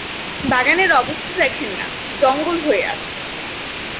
বাগানের অবস্থা দেখেন না, জঙ্গল হয়ে আছে।